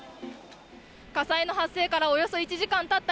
火災の発生からおよそ１時間たった